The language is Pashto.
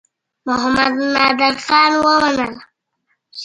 محمدنادرخان ومنلم.